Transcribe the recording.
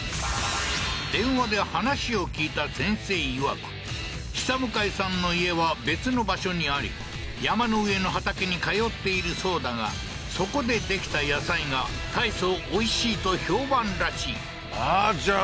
電話で話を聞いた「先生」いわくシタムカイさんの家は別の場所にあり山の上の畑に通っているそうだがそこでできた野菜が大層おいしいと評判らしいあっじゃあ